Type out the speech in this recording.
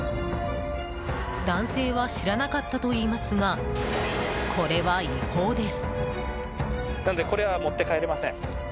男性は知らなかったと言いますがこれは違法です。